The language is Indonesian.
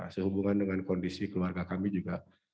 sehubungan dengan kondisi keluarga kami juga